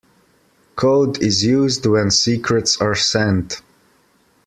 Code is used when secrets are sent.